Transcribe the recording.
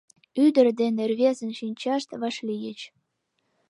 Ӱдыр ден рвезын шинчашт вашлийыч.